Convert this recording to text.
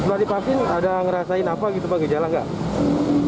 setelah divaksin ada ngerasain apa gitu pak gejala nggak